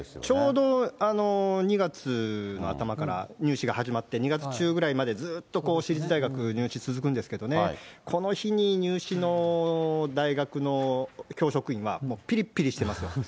ちょうど２月の頭から、入試が始まって、２月の中ぐらいまで私立大学、入試続くんですけれどもね、この日に入試の大学の教職員は、もうぴりぴりしてますよ。